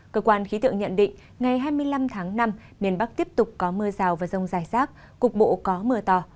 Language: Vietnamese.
cơ quan khí tượng nhận định ngày hai mươi năm tháng năm miền bắc tiếp tục có mưa rào và rông dài rác cục bộ có mưa to